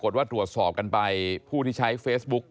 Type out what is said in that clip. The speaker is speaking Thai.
โอ้นั่งกินเบียนมา